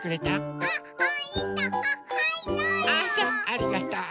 ありがとう。